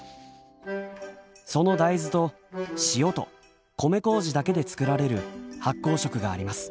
その大豆と塩と米麹だけで作られる発酵食があります。